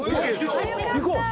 行こう。